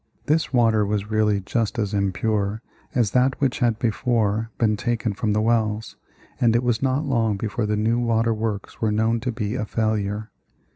This water was really just as impure as that which had before been taken from the wells, and it was not long before the new water works were known to be a failure.